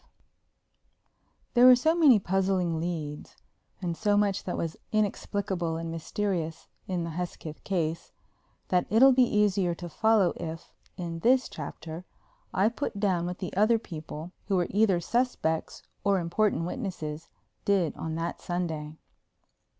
V There were so many puzzling "leads" and so much that was inexplicable and mysterious in the Hesketh case that it'll be easier to follow if, in this chapter, I put down what the other people, who were either suspects or important witnesses, did on that Sunday.